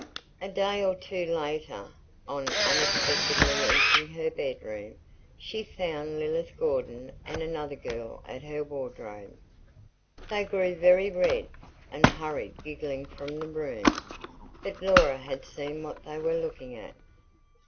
A day or two later, on unexpectedly entering her bedroom, she found Lilith Gordon and another girl at her wardrobe. They grew very red, and hurried giggling from the room, but Laura had seen what they were looking at.